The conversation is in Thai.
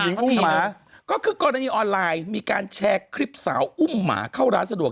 เอาเรื่องหญิงอุ้มหมาก่อน